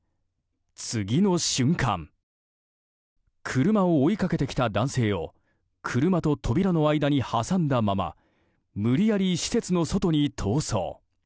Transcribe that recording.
次の瞬間車を追いかけてきた男性を車と扉の間に挟んだまま無理やり施設の外に逃走。